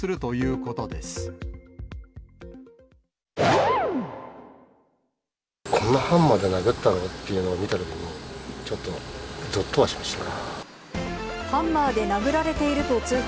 こんなハンマーで殴ったの？っていうのを見たときに、ちょっとぞっとはしましたね。